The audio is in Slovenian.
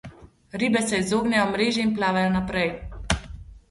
Ribe se izognejo mreži in plavajo naprej.